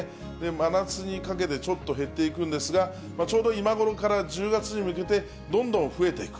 真夏にかけて、ちょっと減っていくんですが、ちょうど今頃から１０月に向けて、どんどん増えていく。